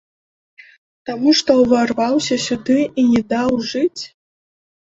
Таму, што ўварваўся сюды і не даў жыць?